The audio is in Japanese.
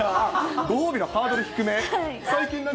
ご褒美のハードル低め？